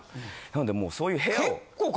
なのでもうそういう部屋を。